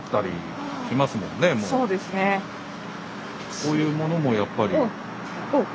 こういうものもやっぱり。